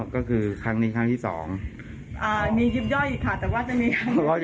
ก็คือครั้งนี้ครั้งที่๒มียิบย่อยค่ะแต่ว่าจะมีครั้ง